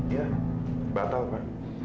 iya batal pak